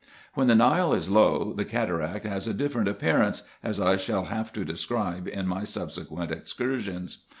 When the Nile is low, the cataract has a different appearance, as I shall have IN EGYPT, NUBIA, &c. 61 to describe in my subsequent excursions.